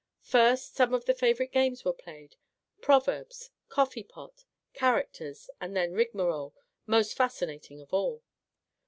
First, some of the favourite games were played, — proverbs, "coffee pot," charac ters, and then rigmarole, most fascinating of all.